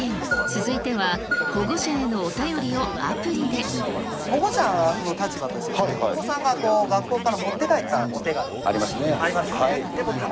続いては、保護者の立場として、お子さんが学校から持って帰ったお手紙ありますよね。